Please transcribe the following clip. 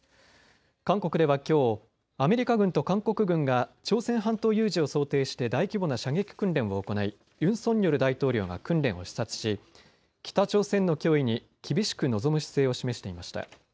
韓国ではきょう、アメリカ軍と韓国軍が朝鮮半島有事を想定して大規模な射撃訓練を行いユン・ソンニョル大統領が訓練を視察し北朝鮮の脅威に厳しく臨む姿勢を示していました。